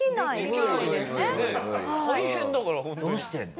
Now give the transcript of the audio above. はい。